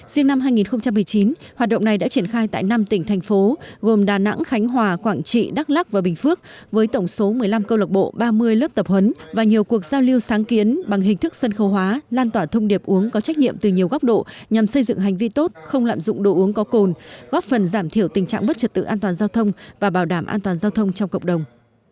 riêng năm hai nghìn một mươi chín hoạt động này đã triển khai tại năm tỉnh thành phố gồm đà nẵng khánh hòa quảng trị đắk lắc và bình phước với tổng số một mươi năm câu lạc bộ ba mươi lớp tập huấn và nhiều cuộc giao lưu sáng kiến bằng hình thức sân khấu hóa lan tỏa thông điệp uống có trách nhiệm từ nhiều góc độ nhằm xây dựng hành vi tốt không lạm dụng đồ uống có cồn góp phần giảm thiểu tình trạng bất trật tự an toàn giao thông và bảo đảm an toàn giao thông trong cộng đồng